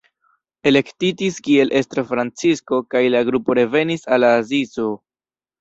Elektitis kiel estro Francisko kaj la grupo revenis al Asizo.